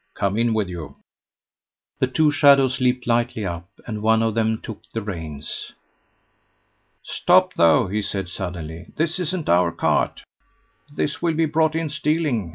Come, in with you." The two shadows leaped lightly up, and one of them took the reins. "Stop, though," he said suddenly; "this isn't our cart. This will be brought in stealing.